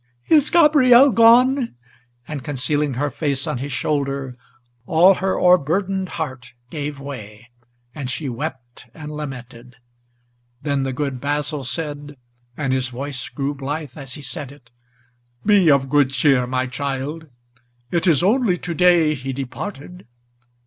is Gabriel gone?" and, concealing her face on his shoulder, All her o'erburdened heart gave way, and she wept and lamented. Then the good Basil said, and his voice grew blithe as he said it, "Be of good cheer, my child; it is only to day he departed.